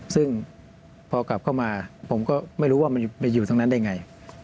ซึ่งพอกลับเข้ามาผมก็ไม่รู้ว่ามันไปอยู่ตรงนั้นได้ไง